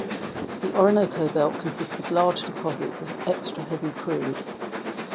The Orinoco Belt consists of large deposits of extra heavy crude.